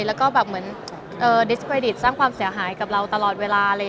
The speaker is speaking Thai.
แล้วก็แบบเหมือนดิสเครดิตสร้างความเสียหายกับเราตลอดเวลาเลย